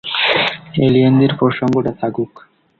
অ্যালিয়েনদের প্রসঙ্গটা থাকুক!